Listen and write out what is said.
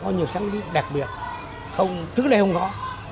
có nhiều sáng tiết đặc biệt trước đây không có